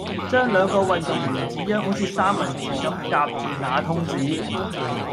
將兩個運動員紙樣好似三文治咁夾住瓦通紙